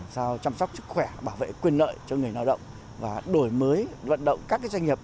sao chăm sóc sức khỏe bảo vệ quyền lợi cho người lao động và đổi mới vận động các doanh nghiệp